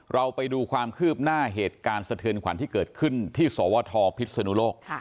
เราไปดูความคืบหน้าเหตุการณ์สะเทือนขวัญที่เกิดขึ้นที่สวทพิศนุโลก